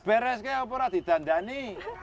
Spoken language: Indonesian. beres ya apa yang ada di dandani